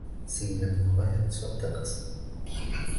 Singlim nihoyat sodda qiz